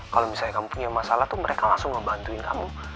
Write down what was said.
kalau misalnya kamu punya masalah tuh mereka langsung ngebantuin kamu